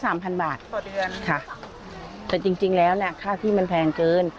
สามพันบาทต่อเดือนแต่จริงแล้วค่าที่มันแพงเกิน